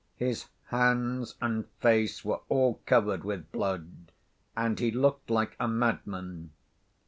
His hands and face were all covered with blood, and he looked like a madman.